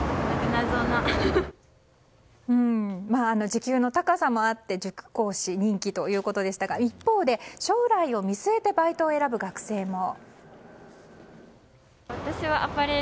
時給の高さもあって塾講師が人気ということでしたが一方で、将来を見据えてバイトを選ぶ学生も。